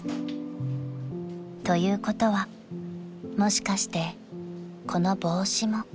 ［ということはもしかしてこの帽子も］